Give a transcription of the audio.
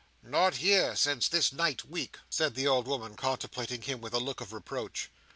Not here since this night week!" said the old woman, contemplating him with a look of reproach.